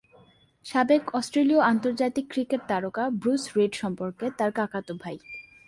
সাবেক অস্ট্রেলীয় আন্তর্জাতিক ক্রিকেট তারকা ব্রুস রিড সম্পর্কে তার কাকাতো ভাই।